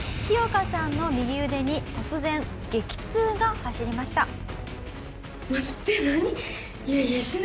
「キヨカさんの右腕に突然激痛が走りました」